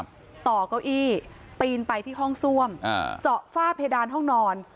มันต่อกะอีตีนไปที่ห้องซ่วมปีนไปที่ห้องซ่วมจ่อฝ้าเพดานห้องนอน